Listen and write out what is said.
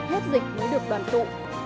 hết dịch mới được đoàn tụ